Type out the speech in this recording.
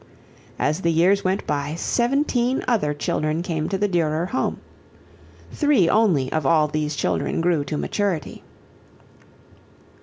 As the years went by, seventeen other children came to the Durer home. Three only of all these children grew to maturity.